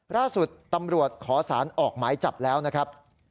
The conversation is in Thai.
ล่าสุดตำรวจขอสารออกหมายจับแล้วนะครับ